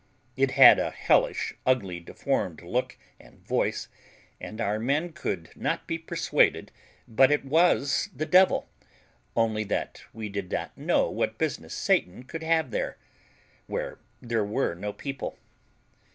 It had a hellish ugly deformed look and voice, and our men would not be persuaded but it was the devil, only that we did not know what business Satan could have there, where there were no people.